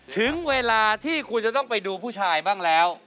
ถึงเวลาที่คุณจะต้องไปดูผู้ชายบ้างแล้ว